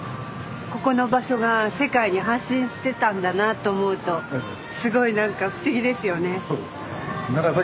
ここの場所が世界に発信してたんだなと思うとすごい何か不思議ですよね。